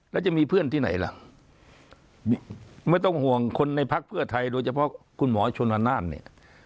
แล้วจะมีเพื่อนที่ไหนล่ะไม่ต้องห่วงคนในพักเพื่อไทยโดยเฉพาะคุณหมอชนวนานเนี่ย